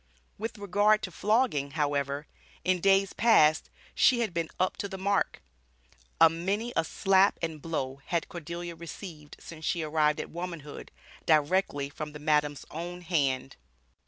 With regard to flogging, however, in days past, she had been up to the mark. "A many a slap and blow" had Cordelia received since she arrived at womanhood, directly from the madam's own hand.